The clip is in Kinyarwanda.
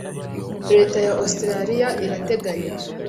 Leta ya Australia irateganya